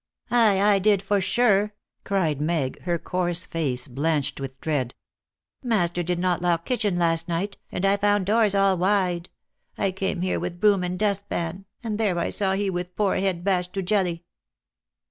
"Aye, I did for sure!" cried Meg, her coarse face blanched with dread. "Master did not lock kitchen last night, and I found doors all wide. I came here with broom and dust pan, and there I saw he with poor head bashed to jelly."